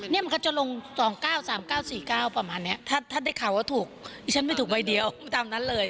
นี่มันก็จะลง๒๙๓๙๔๙ประมาณนี้ถ้าได้ข่าวว่าถูกดิฉันไม่ถูกใบเดียวตามนั้นเลย